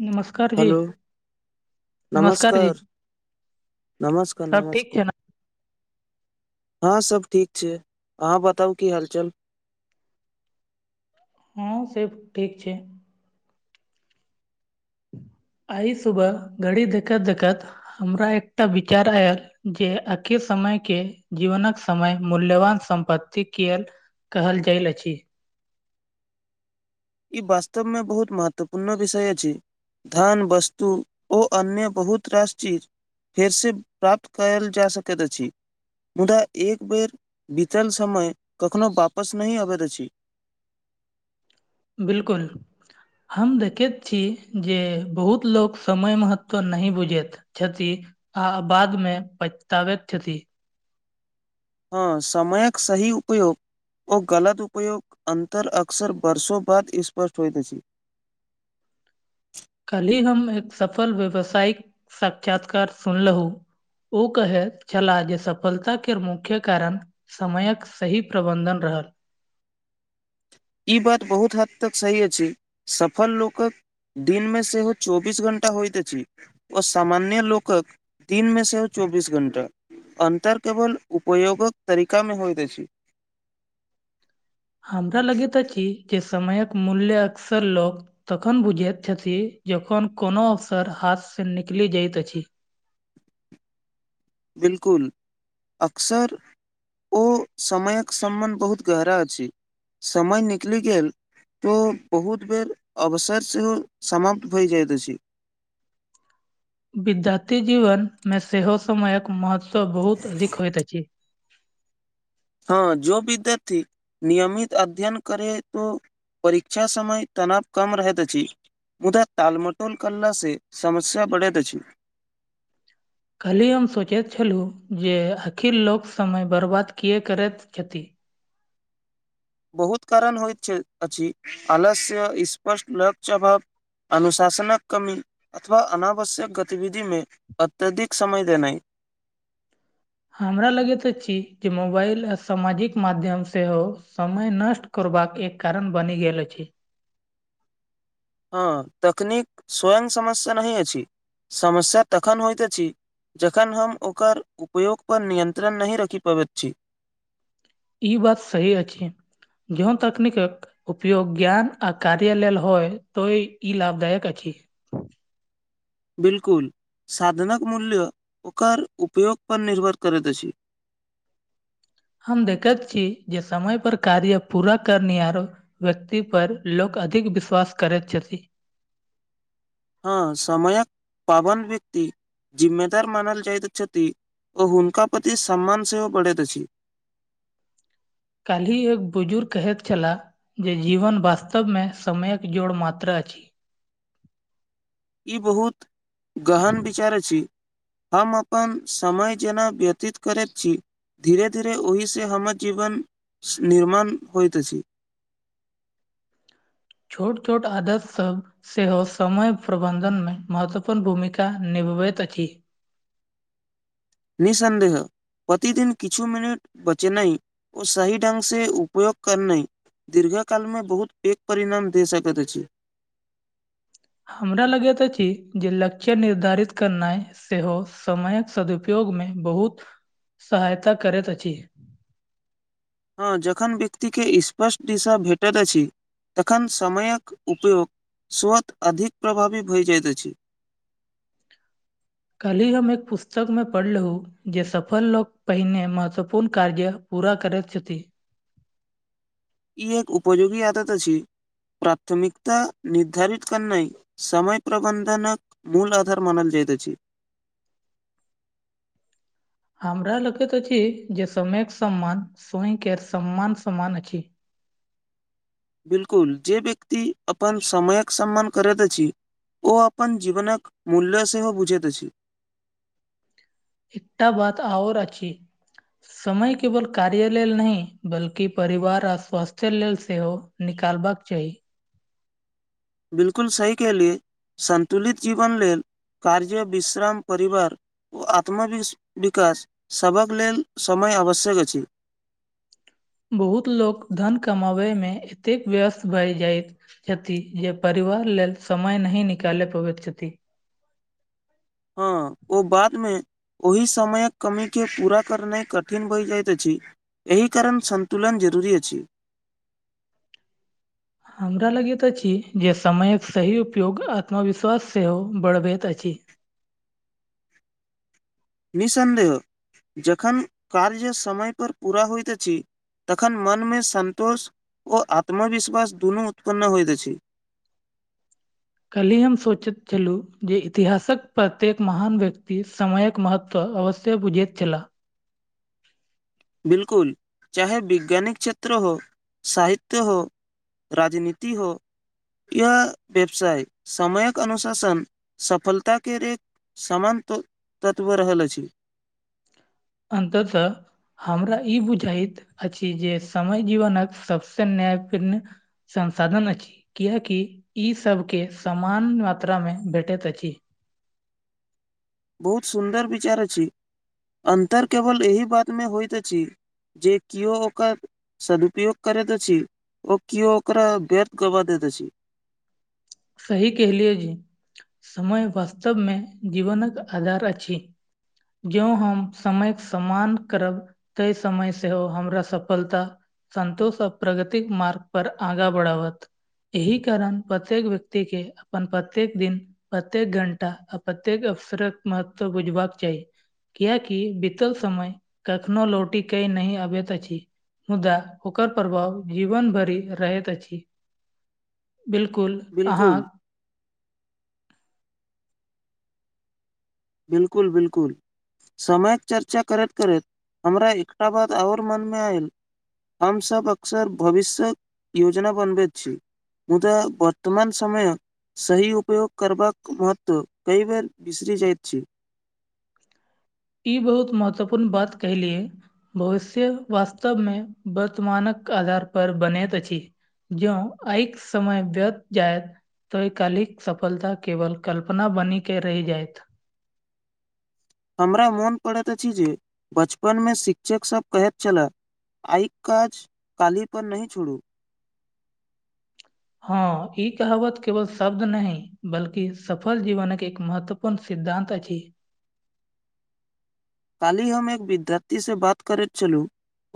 नमस्कार जी। हेलो नमस्कार नमस्कार सब ठीक नमस्कार छै ने हँ सब ठीक छै अहाँ बताउ की हाल चाल हँ सेब ठीक छै आइ सुबह घड़ी देखैत देखैत हमरा एकटा विचार आयल जे [unintelligible] समय के जीवनक समय मूल्यवान सम्पत्ति [unintelligible] कहल जाइल अछि ई वास्तवमे बहुत महत्वपूर्ण विषय अछि धान वस्तु ओ अन्य बहुत रास चीज फेरस प्राप्त कयल जा सकैत अछि मुदा एक बेर बीतल समय कखनो वापस नहि अबैत अछि बिलकुल हम देखैत छी जे बहुत लोक समय महत्व नहि बुझैत छथि आ बादमे पचताबैत छथि हँ समयक सही उपयोग अऽ गलत उपयोग अन्तर अक्सर वर्षो बाद स्पष्ट होइत अछि कल्हि हम एक सफल व्यवसायिक साक्षात्कार सुनलहू उ कहै छलाह जे सफलताक के मुख्य कारण समयक सही प्रबन्धन रहल ई बात बहुत हद तक सही अछि सफल लोकक दिनमे सेहो चौबीस घंटा होइत अछि ओऽ सामान्य लोकक दिनमे सेहो चौबीस घंटा अन्तर केवल उपयोगक तरीकामे होइत अछि हमरा लगैत अछि जे समयक मूल्य अक्सर लोक तखन बुझैत छथि जखन कोनो अवसर हाथसँ निकलि जाइत अछि बिलकुल अकसर ओ समयक सम्बन्ध बहुत गहरा अछि समय निकलि गेल तऽ बहुत बेर अवसै सेहो समाप्त भऽ जाइत अछि विद्यार्थी जीवन मे सेहो समयक महत्त्व बहुत अधिक होइत अछि हँ जोऽ विद्यार्थी नियमित अध्ययन करैत ओ परीक्षा समय तनाव कम रहैत अछि मुदा तालमटोल करला से समस्या बढ़ैत अछि कल्हि हम सोचैत छलहुँ जे आखिर लोक समय बर्बाद किए करैत छथि बहुत कारण होइत छै अछि आलस्य स्पष्ट लक्ष्य अभाव अनुशासनक कमी अथवा अनावश्यक गतिविधिमे अत्यधिक समय देनाइ हामरा लगैत अछि जे मोबाइल आ सामाजिक माध्यम सेहो समय नष्ट करबाके एक कारण बनि गेल अछि हँ तकनीक स्वयं समस्या नहि अछि समस्या तखन होइत अछि जखन हम ओकर उपयोग पर नियन्त्रण नहि रखि पबैत छी ई बात सही अछि जोउ तकनीकक उपयोग ज्ञान आ कार्य लेल होइ तऽ ई लाभदायक अछि बिल्कुल साधनक मूल्य ओकर उपयोग पर निर्भर करैत अछि हम देखैत छी जे समय पर कार्य पूरा करनिहार व्यक्ति पर लोक अधिक विश्वास करैत छथि हँ समयक पाबंध व्यक्ति जिम्मेदार मानल जाइत छथि अऽ हुनका प्रति सम्मान सेहो बढ़ैत अछि काल्हि एक बुजुर्ग कहेत छलाह जे जीवन वास्तवमे समयक जोड़ मात्रा अछि ई बहुत गहन विचार अछि हम अपन समय जेना व्यतीत करैत छी। धीरे धीरे ओहि सऽ हमर जीवन निर्माण होइत अछि। छोट छोट आदत सब सेहो समय प्रबन्धन में महत्वपूर्ण भूमिका निभबैत अछि। निःसन्देह प्रतिदिन किछु मिनट बचेनाय ओ सही ढ्ंग से उपयोग करनाय दीर्घ काल मऽ बहुत पेग परिणाम दे सकत अछि। हमरा लगैत अछि जे लक्ष्य निर्धारित करनाय सेहो समयक सदुपयोग मे बहुत सहायता करैत अछि। हाँ जखन व्यक्तिके स्पष्ट दिशा भेटैत अछि। तखन समयक उपयोग स्वत अधिक प्रभावी भए जाइत अछि। कल्हि हम एक पुस्तक में पढ़लहो जे सफल लोक पहिने महत्वपूर्ण कार्य पूरा करैत छथि। ई एक उपयोगी आदत अछि। प्राथमिकता निर्धारित करनाय समय प्रबन्धनक मूल आधार मानल जाइत अछि। हमरा लगैत अछि जे समयक सम्मान स्वयं केर सम्मान समान अछि। बिल्कुल जे व्यक्ति अपन समयक सम्मान करैत अछि ओ अपन जीवनक मूल्य सेहो बुझैत अछि। एकटा बात आओर अछि समय केवल कार्य लेल नहि बल्कि परिवार आ स्वास्थ्य लेल सेहो निकालबाक चाही। बिल्कुल सही केहलिय संन्तुलित जीवन लेल कार्य विश्राम परिवार ओ आत्म विस विकास सभक लेल समय आवश्यक अछि। बहुत लोक धन कमाबय में एतेक व्यस्त भएल जायत छथि, जे परिवार लेल समय नहि निकालि पबैत छथि। हाँ ओ बाद में ओहि समयक कमीके पूरा करनाइ कठिन भऽइ जाइत अछि। एहि कारण सन्तुलन जरूरी अछि। हमरा लगैत अछि जे समयक सही उपयोग आत्मविश्वास सेहो बढ़बैत अछि। निःसन्देह जखन कार्य समय पर पूरा होइत अछि। तखन मन में सन्तोष ओ आत्मविश्वास दुनू उत्पन्न होइत अछि। कल्हि हम सोचैत छलहुँ जे इतिहासक प्रत्येक महान व्यक्ति समयक महत्त्व तऽ अवश्ये बुझैत छला। बिल्कुल चाहे विज्ञानिक क्षेत्र हो साहित्य हो राजनीति हो या व्यवसाय समयक अनुशासन सफलता के रे एक समान त तत्व रहल अछि। अंतः हमरा ई बुझाइत अछि जे समय जीवनक सबसे न्यायपुर्ण संसाधन अछि, कियाकि ई सबके समान मात्रा में भेटैत अछि। बहुत सुन्दर बिचार अछि। अन्तर केवल एहि बात मऽ होइत अछि। जे कियो ओकर सदुपयोग करैत अछि, ओ कियो ओकरा व्यर्थ गवा दैत अछि। सही कहलियै जे समय वास्तव मे जीवनक आधार अछि। ज्यों हम समयके सम्मान करब तय समय सेहो हमरा सफलता संन्तोष आ प्रगतिक मार्ग पर आगाँ बढ़ावत, एहि कारण प्रत्येक व्यक्ति के अपन प्रत्येक दिन प्रत्येक घंटा आ प्रत्येक अवसरक महत्व बुझबाक चाही। कियाकि बीतल समय कखनो लौटी कऽ नहि अबैत अछि। मुद्दा ओकर प्रभाव जीवन भरि रहैत अछि बिल्कुल। अहाँक बिल्कुल। बिल्कुल बिल्कुल। समयक चर्चा करैत करैत हमरा एकटा बात आओर मनमे आयल। हमसभ अक्सर भविष्य्यक योजना बनबैत छी। मुदा बर्तमान समयक। सही उपयोग करबाक महत्व कई बेर बिसरि जायत छि। ई बहुत महत्वपूर्ण बात कहलियै। भविष्य वास्तवमे वर्तमानक आधार पर बनैत अछि। जो आऐक समय व्यत जाायत। त ओइ कालिक सफलता केवल कल्पना बनी कऽ रहि जायत। हमरा मोन पड़ैत अछि जे बचपनमे शिक्षकसभ कहैत छलय आइक काज काली पर नहि छोड़ू। हँ ई कहावत केवल शब्द नहि बल्कि सफल जीवनके एक महत्व। पूर्ण सिद्धान्त अछी। काल्हि हम एक विद्यार्थी सऽ बात करैत छलहुँ।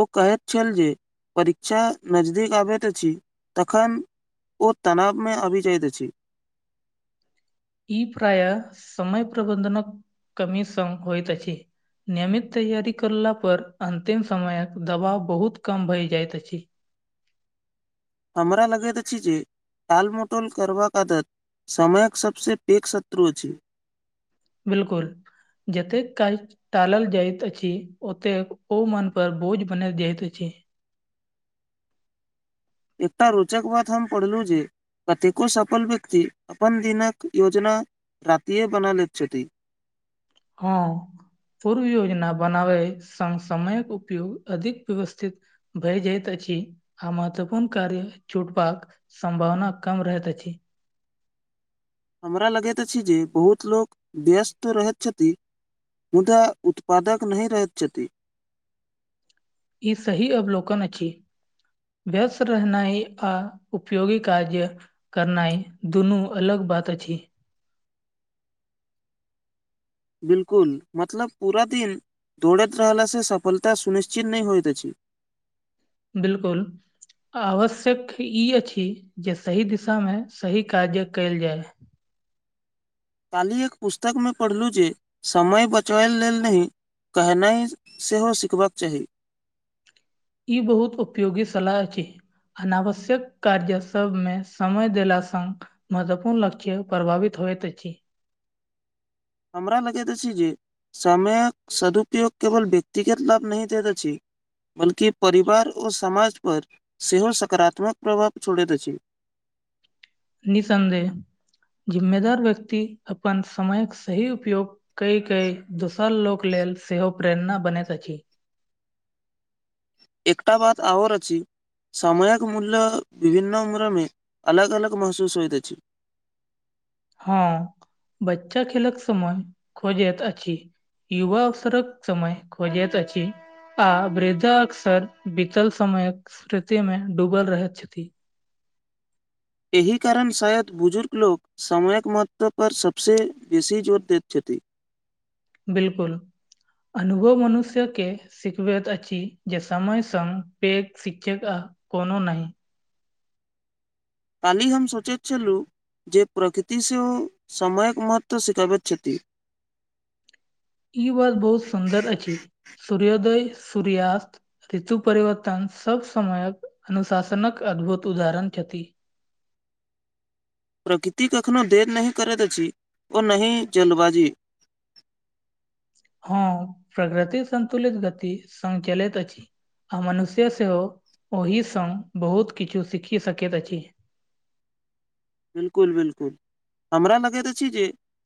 ओ कहैत छल जे परीक्षा नजदीक आबैत अछि तखन। ओ तनाव मऽ आबि जाइत अछि। ई प्रायः समय प्रबन्धनक कमी संग होइत अछि। नियमित तैआारी करला पर अन्तिम समयक दबाव बहुत कम भए जाइत अछि। हमरा लगैत अछि जे। तालमोटोल करबाक आदत समयक सबसँ पैघ शत्रु छै। बिल्कुल जेतेक काज। टालल जाइत अछि ओतेक ओ मन पर बोझ बनल जाइत अछि। एकटा रोचक बात हम पढ़लहुँ जे। कतेको सफल व्यक्ति अपन दिनक योजना रातिए बना लैत छथि। हँ। पूर्व योजना बनावै संग समयक उपयोग अधिक व्यवस्थित भय जैत अछि आ महत्वपूर्ण कार्य छुटबाक सम्भावना कम रहैत अछि हमरा लगैत अछी जे बहुत लोक व्यस्त रहैत छथि मुदा उत्पादक नहि रहैत छथि ई सही अवलोकन अछि व्यस्त रहनाइ आ उपयोगी कार्य करनाइ दुनू अलग बात अछि बिल्कुल मतलब पूरा दिन दौड़ैत रहलासँ सफलता सुनिश्चित नहि होइत अछि बिल्कुल आवश्यक ई अछि जे सही दिशामे सही काज कयल जाय कालहि एक पुस्तकमे पढ़लहुँ जे समय बचबै लेल नहि कहनाइ सेहो सिखबाक चाही इ बहुत उपयोगी सलाह अछि अनावश्यक कार्य सभमे समय देला सँ महत्वपूर्ण लक्ष्य प्रभावित होइत अछि हमरा लगैत अछि जे समयक सदुपयोग केवल व्यक्तिगत लाभ नहि दैत अछि बल्कि परिवार ओ समाज पर सेहो सकारात्मक प्रभाव छोड़ैत अछि निःसन्देह जिम्मेदार व्यक्ति अपन समयक सही उपयोग कई कई दोसर लोक लेल सेहो प्रेरणा बनैत अछि एकटा बात आओर अछि समयक मूल्य विभन्न उम्रमे अलग अलग महसूस होइत अछि हां बच्चा खेलक समय खोजैत अछि युवा अवसरक समय खोजैत अछि आ वृद्धा अक्सर बीतल समयक स्मृतिमे डूबल रहैत छथि एहि कारण शायद बुजुर्ग लोक समयक महत्व पर सबसे बेसी जोर दैत छथि बिल्कुल अनुभव मनुष्यके सिखबैत अछि जे समय संग पैग शिक्षक आ कोनो नहि कल्हि हम सोचैत छलु जे प्रकृति सेहो समयक महत्व सिखाबैत छथि ई बात बहुत सुन्दर अछि सूर्योदय, सूर्यास्त ऋतु परिवर्तन सब समयक अनुशासनक अद्भुत उदाहरण छथि प्रकृति कखनो देर नहि करैत अछि और नहि जल्दबाजी हां प्रकृतिक संतुलित गति संग चलैत अछि मनुष्य सेहो ओहि संग बहुत किछु सीखि सकैत अछि बिल्कुल बिल्कुल हमरा लगैत अछि जे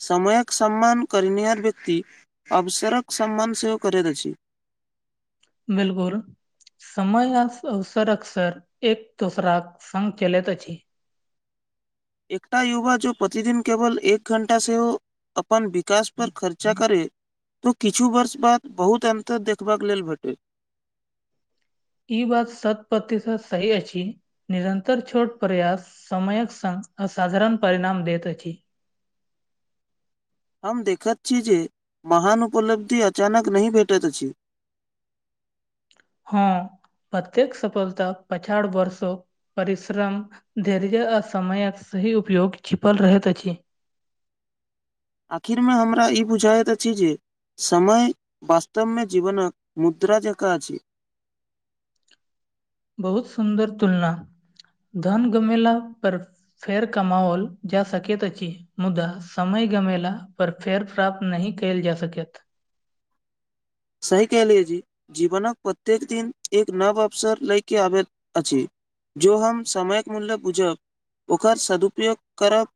समयक सम्मान करनिहार व्यक्ति अवसरक सम्मान सेहो करैत अछि बिल्कुल समय आ अवसरक‌ अक्सर एक दोसराक संग चलैत अछि एकटा युवा जो प्रतिदिन केवल एक घण्टा सेहो अपन विकास पर खर्चा करे किछु वर्ष बाद बहुत अन्तर देखबा के लेल भेटे ई बात सत प्रतिशत सही अछि निरंन्तर छोट प्रयास समयक संग असाधारण परिणाम दैत अछि। हम देखैत छी जे महान उपलब्धि अचानक नहि भेटैत अछि। हं प्रत्येक सफलता पछाड़ वर्ष स परिश्रम, धैर्य आ समयक सही उपयोग छिपल रहैत अछि। आखिर मे हमरा ई बुझाइत अछि जे समय वास्तव में जीवनक मुद्रा जका अछि। बहुत सुन्दर तुलना, धन गमेला पर फेर कमाओल जै सकैत अछि मुदा समय गमेला पर फेर प्राप्त नहि कैल जा सकैत सही कहलिए जे जीवनक प्रत्येक दिन एक नव अवसर लय के आबैत अछि जो हम समयक मूल्य बुझब ओकर सदुपयोग करब